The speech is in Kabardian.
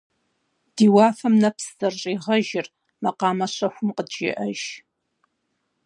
Ди уафэм нэпс зэрыщӀигъэжыр, макъамэ щэхум къыджеӀэж.